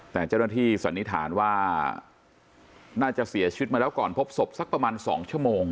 แต่เจ้าหน้าที่สันนิษฐานว่าน่าจะเสียชีวิตมาแล้วก่อนพบศพสักประมาณ๒ชั่วโมง